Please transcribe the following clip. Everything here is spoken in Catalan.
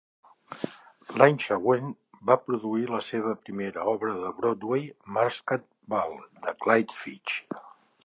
L'any següent, va produir la seva primera obra de Broadway, Masked Ball, de Clyde Fitch.